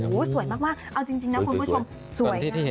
โหสวยมากอะจริงน่ะคุณผู้ชม